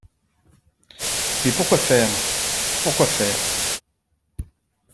Mais pour quoi faire ? pour quoi faire ?